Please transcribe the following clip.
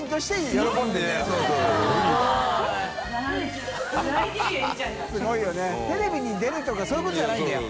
垢瓦い茲テレビに出るとかそういうことじゃないんだよ。